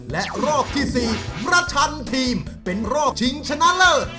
และรอบที่๔ประชันทีมเป็นรอบชิงชนะเลิศ